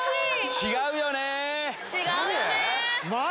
違うよねー。